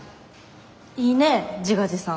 いいね自画自賛。